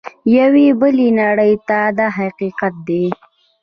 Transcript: یوې بلې نړۍ ته دا حقیقت دی.